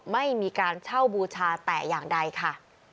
ไม่มีการเช่าบูชาแต่อย่างใดค่ะ